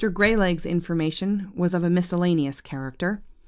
Grey leg's information was of a miscellaneous character.